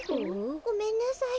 ごめんなさい。